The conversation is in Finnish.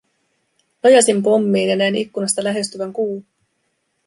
Nojasin pommiin ja näin ikkunasta lähestyvän kuun.